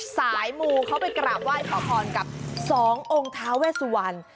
สายมูเข้าไปกราบว่ายขอพรกับสององค์ท้าเวสวัน